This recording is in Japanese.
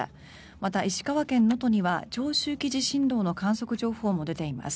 また、石川県能登には長周期地震動の観測情報も出ています。